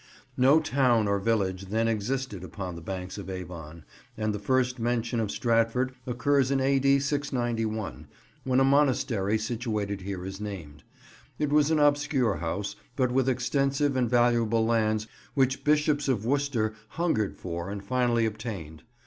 No town or village then existed upon the banks of Avon, and the first mention of Stratford occurs in A.D. 691, when a monastery situated here is named. It was an obscure house, but with extensive and valuable lands which Bishops of Worcester hungered for and finally obtained.